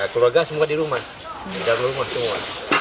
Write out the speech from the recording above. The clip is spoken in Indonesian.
keluarga semoga di rumah di dalam rumah semua